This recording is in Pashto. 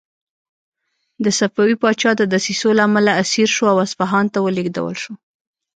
د صفوي پاچا د دسیسو له امله اسیر شو او اصفهان ته ولېږدول شو.